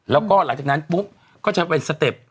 แล้วก็หลังจากนั้นปุ๊บ